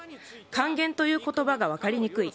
還元という言葉が分かりにくい。